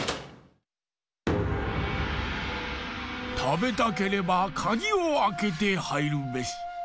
たべたければかぎをあけてはいるべし。